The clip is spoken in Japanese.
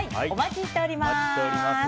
お待ちしております。